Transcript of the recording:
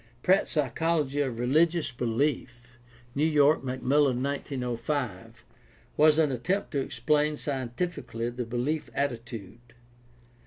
Pratt's Psychology of Religious Belief (New York: Macmillan, 1905) was an attempt to explain scientifically the belief attitude.